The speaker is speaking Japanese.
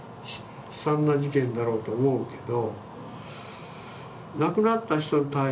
悲惨な事件だろうと思うけど。